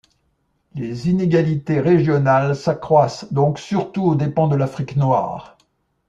Les inégalités régionales s'accroissent donc surtout aux dépens de l'Afrique noire.